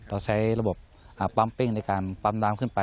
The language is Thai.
เราใช้ระบบปั๊มเป้งในการปั๊มน้ำขึ้นไป